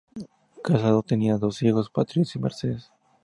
Casado, tenía dos hijos, Patricio y Mercedes.